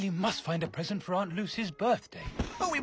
はい。